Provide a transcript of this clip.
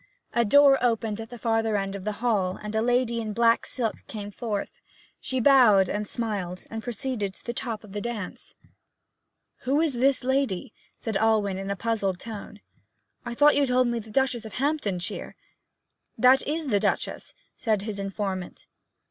A door opened at the farther end of the hall, and a lady in black silk came forth. She bowed, smiled, and proceeded to the top of the dance. 'Who is that lady?' said Alwyn, in a puzzled tone. 'I thought you told me that the Duchess of Hamptonshire ' 'That is the Duchess,' said his informant.